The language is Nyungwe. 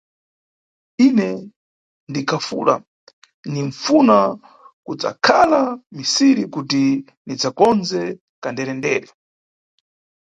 Ine ningakula ninʼfuna kudzakhala misiri kuti ndidzakondze kanderendere.